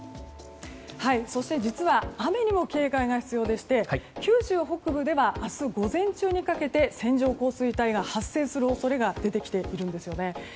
そして雨にも警戒が必要でして九州北部では明日午前中にかけて線状降水帯が発生する恐れが出てきているんですね。